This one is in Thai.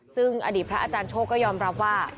ซึ่งอดีตพระอาจารย์โชคก็ยอมรับว่า